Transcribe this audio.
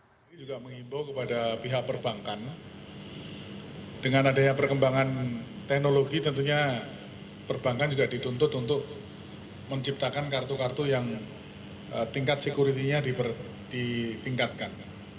kami juga mengimbau kepada pihak perbankan dengan adanya perkembangan teknologi tentunya perbankan juga dituntut untuk menciptakan kartu kartu yang tingkat security nya ditingkatkan